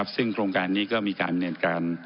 ซึ่งโครงการนี้ก็มีการดำเนินการ